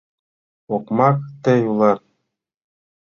— Окмак тый улат!